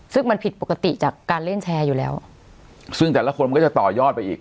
ซึ่งมันผิดปกติจากการเล่นแชร์อยู่แล้วซึ่งแต่ละคนมันก็จะต่อยอดไปอีก